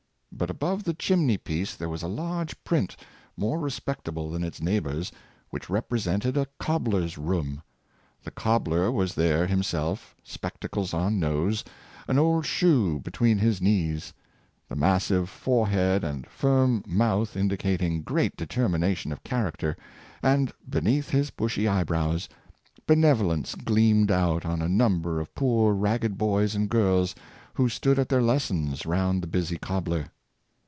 But above 592 John Pounds. the chimney piece there was a large print, more respect able than its neighbors, which represented a cobbler's room. The cobbler was there himself, spectacles on nose, an old shoe between his knees — the massive fore head and firm mouth indicating great determination of character, and beneath his bushy eyebrows, benevo lence gleamed out on a number of poor rligged boys and girls who stood at their lessons round the bus}^ cobbler.